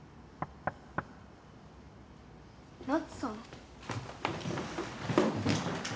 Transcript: ナツさん？